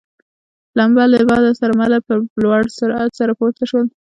لمبه له باده سره مله په لوړ سرعت سره پورته شول.